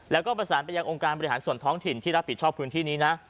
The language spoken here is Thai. แล้วก็ประสานไปยังองค์การบริหารส่วนท้องถิ่นที่รับผิดชอบพื้นที่นี้นะ